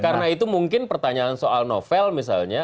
karena itu mungkin pertanyaan soal novel misalnya